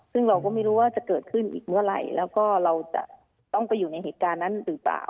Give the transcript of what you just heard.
ซึ่งเราก็ไม่รู้ว่าจะเกิดขึ้นอีกเมื่อไหร่แล้วก็เราจะต้องไปอยู่ในเหตุการณ์นั้นหรือเปล่า